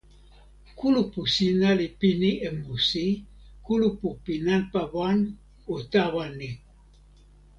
kulupu sina li pini e musi. kulupu pi nanpa wan o tawa ni.